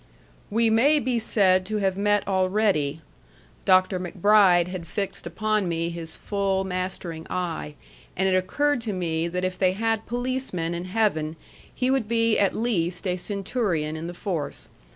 "We may be said to have met already." Dr. MacBride had fixed upon me his full, mastering eye; and it occurred to me that if they had policemen in heaven, he would be at least a centurion in the force.